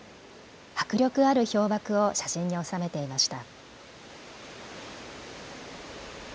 迫力ある氷ばくを写真に収めていました。